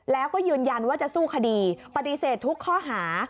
แล้วก็ยืนยันว่าจะสู้คดีปฏิเสธทุกข้อหา